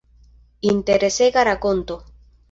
Interesega rakonto.